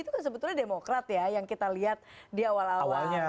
itu kan sebetulnya demokrat ya yang kita lihat di awal awal